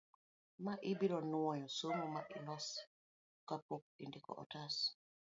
ma ibiro nwoyo somo ma ilos ka pok indiko otas